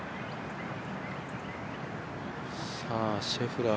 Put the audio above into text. シェフラー